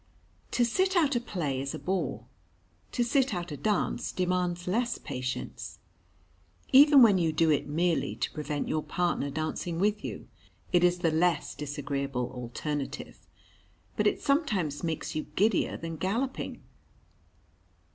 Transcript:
To sit out a play is a bore; to sit out a dance demands less patience. Even when you do it merely to prevent your partner dancing with you, it is the less disagreeable alternative. But it sometimes makes you giddier than galoping.